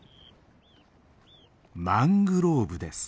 マングローブです。